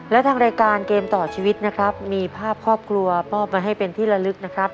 และทางรายการเกมต่อชีวิตนะครับมีภาพครอบครัวมอบไว้ให้เป็นที่ละลึกนะครับ